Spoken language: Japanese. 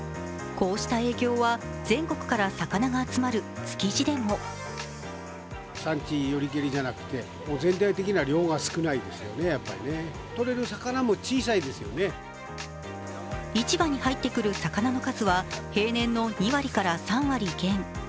こうした影響は全国から魚が集まる築地でも市場に入ってくる魚の数は平年の２割から３割減。